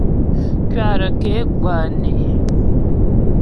Kuatə ke gwǎ né.